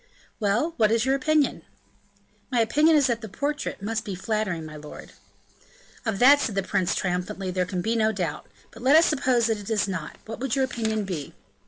"Well, what is your opinion?" "My opinion is that the portrait must be flattering, my lord." "Of that," said the prince triumphantly, "there can be no doubt; but let us suppose that it is not, what would your opinion be?"